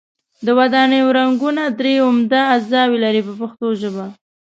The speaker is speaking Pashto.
د ودانیو رنګونه درې عمده اجزاوې لري په پښتو ژبه.